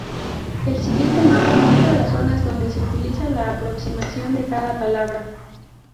El siguiente mapa muestra las zonas donde se utiliza la aproximación de cada palabra.